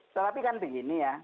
tetapi kan begini ya